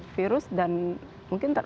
virus dan mungkin